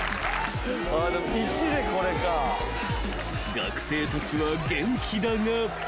［学生たちは元気だが］